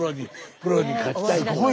プロに勝ちたい。